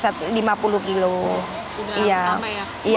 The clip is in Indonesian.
sudah berapa lama ya